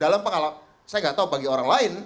dalam pengalaman saya nggak tahu bagi orang lain